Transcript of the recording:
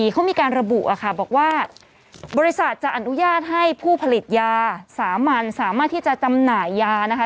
เขามีการระบุบอกว่าบริษัทจะอนุญาตให้ผู้ผลิตยาสามัญสามารถที่จะจำหน่ายยานะคะ